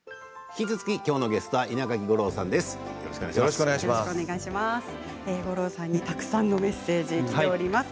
引き続ききょうのゲストは稲垣吾郎さんです。